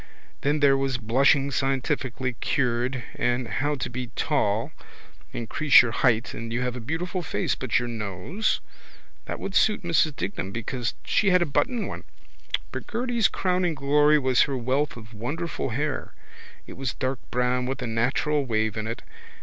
Then there was blushing scientifically cured and how to be tall increase your height and you have a beautiful face but your nose? That would suit Mrs Dignam because she had a button one. But Gerty's crowning glory was her wealth of wonderful hair. It was dark brown with a natural wave in it.